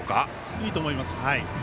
いいと思います。